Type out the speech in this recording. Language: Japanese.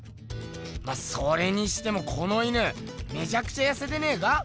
まっそれにしてもこの犬めちゃくちゃやせてねぇか？